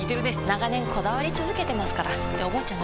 長年こだわり続けてますからっておばあちゃん